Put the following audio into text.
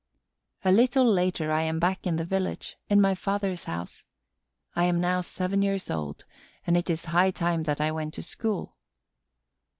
A little later on I am back in the village, in my father's house. I am now seven years old; and it is high time that I went to school.